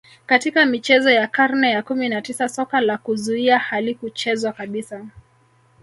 Katika michezo ya karne ya kumi na tisa soka la kuzuia halikuchezwa kabisa